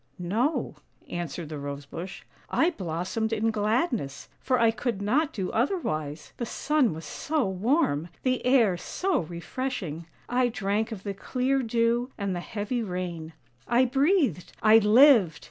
" "No," answered the Rose bush; " I blossomed in gladness, for I could not do otherwise. The sun was so warm, the air so refreshing; I drank of the clear dew and the heavy rain; I breathed — I lived!